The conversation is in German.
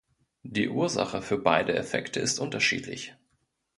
Die Ursache für beide Effekte ist unterschiedlich.